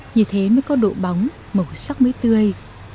như thế mới có độ bóng màu sắc mới tươi